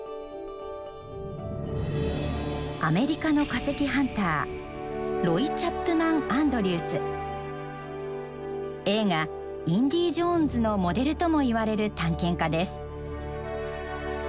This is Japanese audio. アメリカの化石ハンター映画「インディ・ジョーンズ」のモデルともいわれる探検家です。